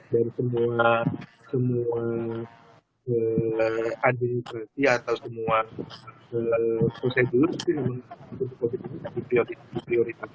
dan semua administrasi atau semua prosedur untuk covid sembilan belas itu di prioritas